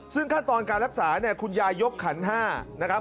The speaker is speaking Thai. ซึ่งถ้าตอนการรักษาคุณยายยกขัน๕นะครับ